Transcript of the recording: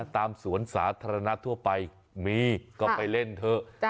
ตามสวนสาธารณะทั่วไปมีก็ไปเล่นเถอะ